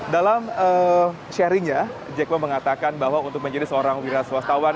dalam sharingnya jack ma mengatakan bahwa untuk menjadi seorang wira swastawan